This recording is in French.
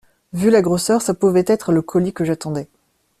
Vu la grosseur, ça pouvait être le colis que j’attendais.